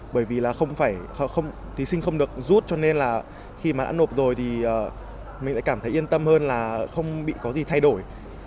bởi vì là không phải thí sinh không được rút cho nên là khi mà đã nộp rồi thì mình lại cảm thấy yên tâm hơn là không bị có gì thay đổi